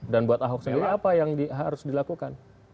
dan buat ahok sendiri apa yang harus dilakukan